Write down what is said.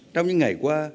trong những ngày qua